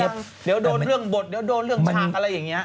เดี๋ยวโดนเรื่องบทเดี๋ยวโดนเรื่องฉากอะไรอย่างนี้